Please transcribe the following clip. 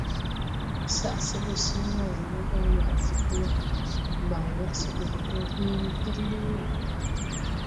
Saʼ se bɔ se wãy nɔga war jobo wa, man wɛr sɛ bɔ gɔ do hęęne figliwn no.